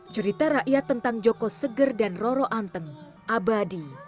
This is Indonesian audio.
cerita rakyat tentang joko seger dan roro anteng abadi